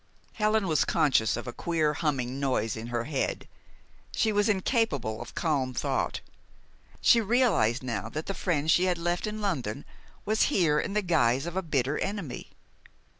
Helen was conscious of a queer humming noise in her head. She was incapable of calm thought. She realized now that the friend she had left in London was here in the guise of a bitter enemy.